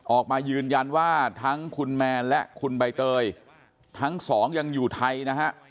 ออกมายืนยันว่าทั้งคุณแมนและคุณใบเตยทั้งสองยังอยู่ไทยนะฮะ